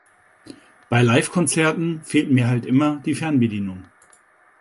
Bei Live-Konzerten fehlt mir halt immer die Fernbedienung.